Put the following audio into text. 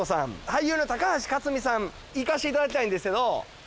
俳優の高橋克実さん行かしていただきたいんですけど。